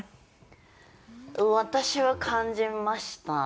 私は感じました。